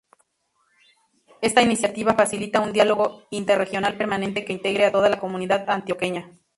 Esta iniciativa facilita un diálogo interregional permanente que integre a toda la comunidad antioqueña.